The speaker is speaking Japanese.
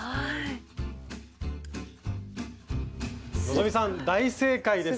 希さん大正解です！